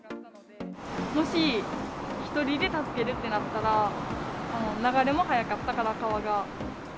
もし１人で助けるってなったら、流れも速かったから、川が。